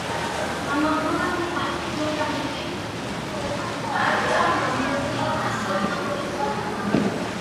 ამავდროულად, ის არის პირველი ამერიკელი ფეხბურთელი, რომელმაც მიყოლებით სამ მუნდიალზე შეძლო გოლის გატანა.